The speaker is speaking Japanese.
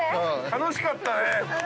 楽しかったね。